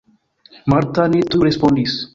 Marta ne tuj respondis.